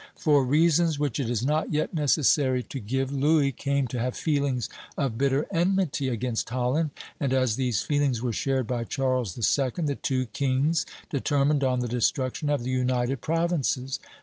For reasons which it is not yet necessary to give, Louis came to have feelings of bitter enmity against Holland; and as these feelings were shared by Charles II., the two kings determined on the destruction of the United Provinces.